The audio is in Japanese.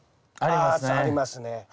あありますね。